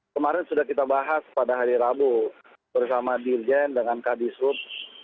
kemarin sudah kita bahas pada hari rabu bersama dirjen dengan kadishub